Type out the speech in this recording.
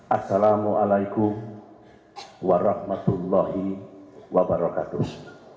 assalamu'alaikum warahmatullahi wabarakatuh